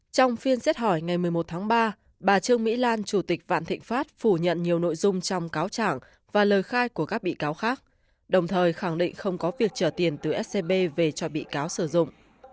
trong phiên xét hỏi ngày một mươi một tháng ba bà trương mỹ lan chủ tịch vạn thịnh pháp phủ nhận nhiều nội dung trong cáo trảng và lời khai của các bị cáo khác đồng thời khẳng định không có việc trả tiền từ scb về cho bị cáo sử dụng